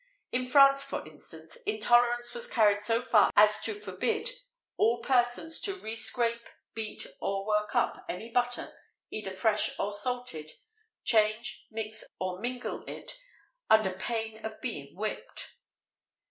In France, for instance, intolerance was carried so far as to forbid "all persons to re scrape, beat, or work up any butter, either fresh or salted; change, mix, or mingle it, under pain of being whipped."